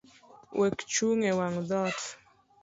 Wekchung’ ewang’ dhoot.